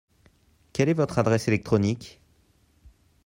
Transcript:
Quel est votre adresse électronique ?